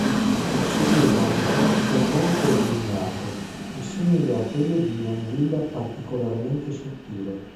Possedeva un corpo molto allungato e simile a quello di un’anguilla particolarmente sottile.